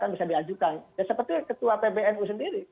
yang bisa diajukan ya seperti ketua pbnu sendiri